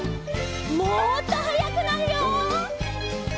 もっとはやくなるよ。